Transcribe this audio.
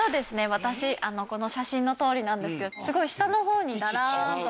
私この写真のとおりなんですけどすごい下の方にダラーンと。